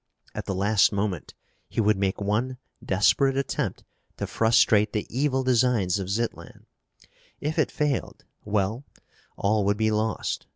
At the last moment he would make one desperate attempt to frustrate the evil designs of Zitlan. If it failed well, all would be lost.